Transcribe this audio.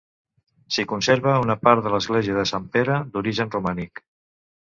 S'hi conserva una part de l'església de Sant Pere, d'origen romànic.